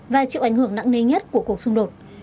và chịu ảnh hưởng nặng nề nhất của cuộc xung đột